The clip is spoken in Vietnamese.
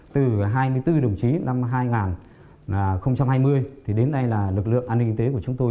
từ hai mươi bốn đồng chí năm hai nghìn hai mươi đến nay là lực lượng an ninh kinh tế của chúng tôi